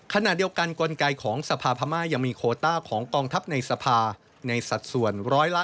ขณะเดียวกันกลไกของสภาพม่ายังมีโคต้าของกองทัพในสภาในสัดส่วน๑๓